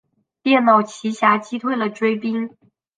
电脑奇侠击退了追兵。